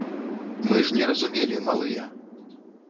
Мы ж не разумелі, малыя.